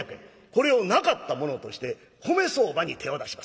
これをなかったものとして米相場に手を出します。